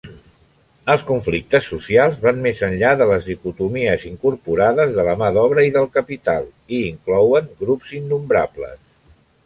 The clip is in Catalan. Els conflictes socials van més enllà de les dicotomies incorporades de la mà d'obra i del capital, i inclouen grups innombrables.